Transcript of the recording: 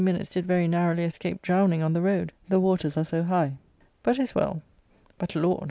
Minnes did very narrowly escape drowning on the road, the waters are so high; but is well. But, Lord!